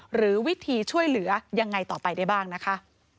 หรือวิธีช่วยเหลือยังไงต่อไปได้บ้างนะคะ